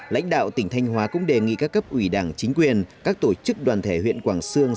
lãnh đạo tỉnh thanh hóa cũng đề nghị các cấp ủy đảng chính quyền các tổ chức đoàn thể huyện quảng sương